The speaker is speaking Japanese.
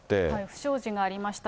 不祥事がありました。